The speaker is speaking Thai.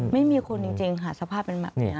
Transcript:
ไม่มีคนจริงค่ะสภาพเป็นแบบนี้